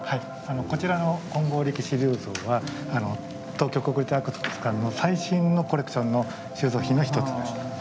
こちらの「金剛力士立像」は東京国立博物館の最新のコレクションの収蔵品の一つです。